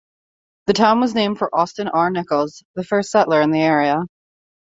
The town was named for Austin R. Nichols, the first settler in the area.